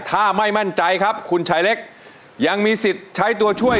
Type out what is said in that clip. ถ้าไม่มั่นใจครับคุณชายเล็กยังมีสิทธิ์ใช้ตัวช่วย